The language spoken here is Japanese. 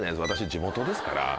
私地元ですから。